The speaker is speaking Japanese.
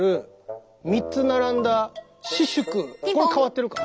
これ変わってるか？